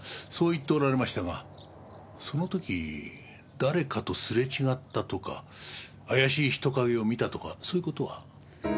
そう言っておられましたがその時誰かとすれ違ったとか怪しい人影を見たとかそういう事は？